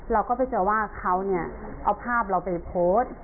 เราก็ไปเจอว่าเขาเนี่ยเอาภาพเราไปโพสต์